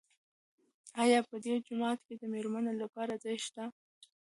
آیا په دې جومات کې د مېرمنو لپاره ځای شته؟